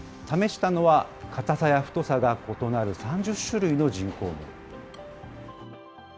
試したのは、硬さや太さが異なる３０種類の人工毛。